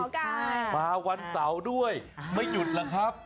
มาวันเสาร์ด้วยไม่หยุดหรอกครับ